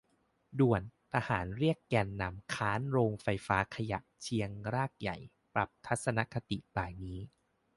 ด่วน ! ทหารเรียกแกนนำค้านโรงไฟฟ้าขยะเชียงรากใหญ่ปรับทัศนคติบ่ายนี้